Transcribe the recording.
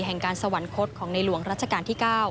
แห่งการสวรรคตของในหลวงรัชกาลที่๙